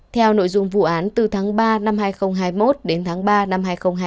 theo nội dung vụ án từ tháng ba năm hai nghìn hai mươi một đến tháng ba năm hai nghìn hai mươi hai